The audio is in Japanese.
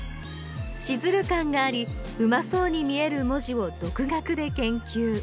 シズル感がありうまそうに見せる文字を独学で研究。